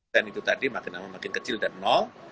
dan itu tadi makin makin kecil dan nol